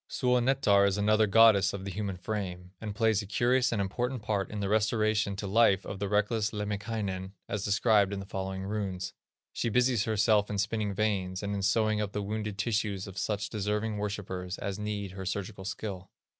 Suonetar is another goddess of the human frame, and plays a curious and important part in the restoration to life of the reckless Lemminkainen, as described in the following runes. She busies herself in spinning veins, and in sewing up the wounded tissues of such deserving worshipers as need her surgical skill.